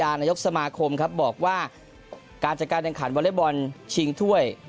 ใช้บางยานยกสมาคมครับบอกว่าการจัดการแด่งขันวอเลเบิ้ลชิงถ้วย